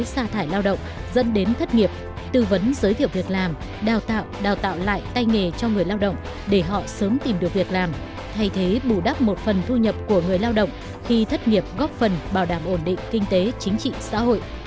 xa thải lao động dẫn đến thất nghiệp tư vấn giới thiệu việc làm đào tạo đào tạo lại tay nghề cho người lao động để họ sớm tìm được việc làm thay thế bù đắp một phần thu nhập của người lao động khi thất nghiệp góp phần bảo đảm ổn định kinh tế chính trị xã hội